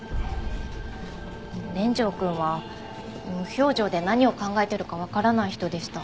連城くんは無表情で何を考えてるかわからない人でした。